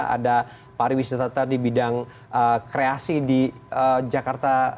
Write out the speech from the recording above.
ada pariwisata di bidang kreasi di jakarta